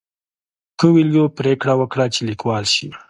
کویلیو پریکړه وکړه چې لیکوال شي.